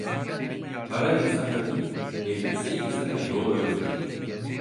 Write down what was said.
Para insana dil, elbise insana yol öğretir.